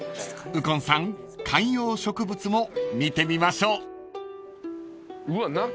［右近さん観葉植物も見てみましょう］